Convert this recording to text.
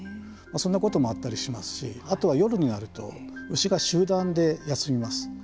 そんなこともあったりしますしあとは夜になると牛が集団で休みます。